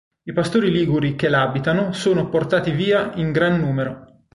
I pastori liguri che l'abitano sono portati via in gran numero.